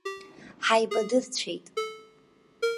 Ҳаибадырцәеит.